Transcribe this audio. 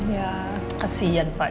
ya kasihan pak